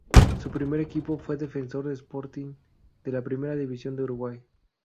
Su primer equipo fue Defensor Sporting de la Primera División de Uruguay.